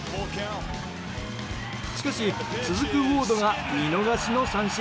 しかし、続くウォードが見逃しの三振。